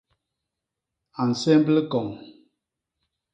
A nsemb likoñ.